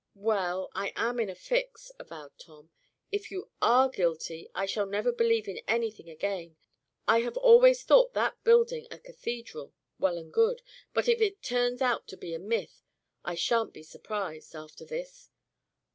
"Well I am in a fix," avowed Tom. "If you are guilty, I shall never believe in anything again. I have always thought that building a cathedral: well and good; but if it turns out to be a myth, I shan't be surprised, after this.